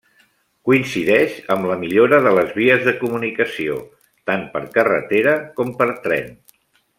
Coincideix amb la millora de les vies de comunicació, tant per carretera com per tren.